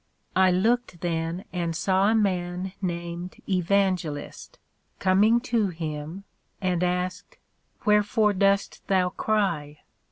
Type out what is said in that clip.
I looked then, and saw a man named Evangelist, coming to him, and asked, Wherefore dost thou cry?